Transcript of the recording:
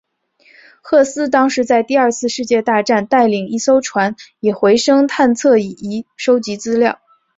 赫斯当时在第二次世界大战带领一艘船以回声测深仪收集资料。